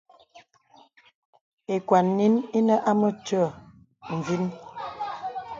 Ìkwàn nīn inə ā mə̀twə̂ vìn.